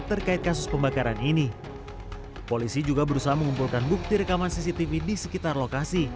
terkait kasus pembakaran ini polisi juga berusaha mengumpulkan bukti rekaman cctv di sekitar lokasi